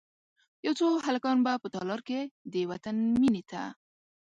یو څو هلکان به په تالار کې، د وطن میینې ته،